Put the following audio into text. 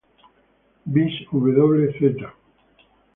Vis wz.